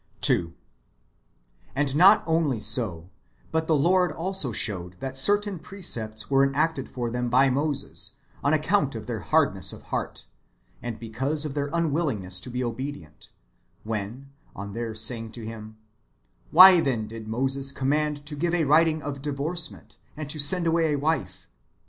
^ 2. And not only so, but the Lord also showed that certain precepts were enacted for them by Moses, on account of their hardness [of heart], and because of their unwillingness to be obedient, when, on their saying to Him, " Why then did Moses command to give a writing of divorcement, and to send away a wife?"